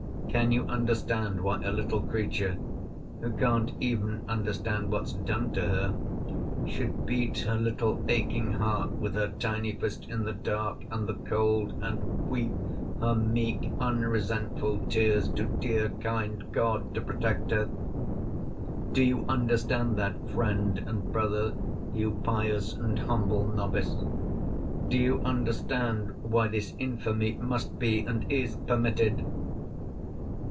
Can you understand why a little creature, who can't even understand what's done to her, should beat her little aching heart with her tiny fist in the dark and the cold, and weep her meek unresentful tears to dear, kind God to protect her? Do you understand that, friend and brother, you pious and humble novice? Do you understand why this infamy must be and is permitted?